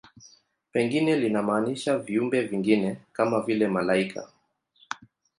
Pengine linamaanisha viumbe vingine, kama vile malaika.